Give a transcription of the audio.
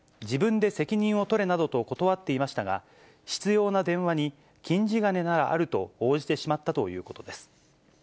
自分で責任を取れなどと断っていましたが、執ような電話に金地金ならあると応じてしまったということです。